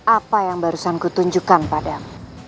apa yang barusan ku tunjukkan padamu